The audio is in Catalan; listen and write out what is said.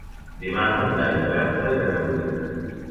Dimarts en Dan i na Berta iran a Godella.